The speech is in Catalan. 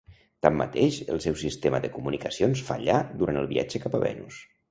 Tanmateix el seu sistema de comunicacions fallà durant el viatge cap a Venus.